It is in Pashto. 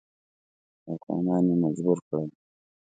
افغانان یې مجبور کړل.